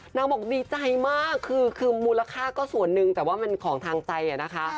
นางบอกดีใจมากคือมูลค่าก็ส่วนหนึ่งแต่ว่ามันของทางใจนะคะ